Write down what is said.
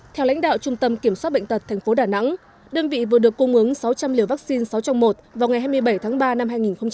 theo lãnh đạo trung tâm kiểm soát bệnh tật tp đà nẵng đơn vị vừa được cung ứng sáu trăm linh liều vaccine sáu trong một vào ngày hai mươi bảy tháng ba năm hai nghìn hai mươi